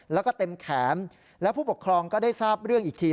แล้วก็เต็มแขนแล้วผู้ปกครองก็ได้ทราบเรื่องอีกที